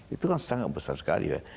itu kan sangat besar sekali ya